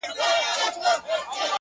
ستا د غزلونو و شرنګاه ته مخامخ يمه ـ